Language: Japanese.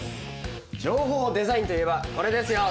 「情報デザイン」といえばこれですよ